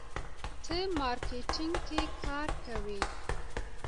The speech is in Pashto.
ته مارکیټینګ کې کار کوې.